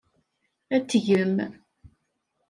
Ad t-tgem.